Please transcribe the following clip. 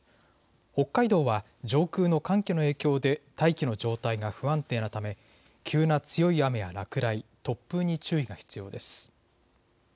北海道は上空の寒気の影響で大気の状態が不安定なため急な強い雨や落雷、突風に注意が必要です。